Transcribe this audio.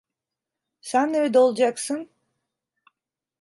Sen nerede olacaksın?